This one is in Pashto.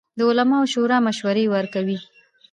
د علماوو شورا مشورې ورکوي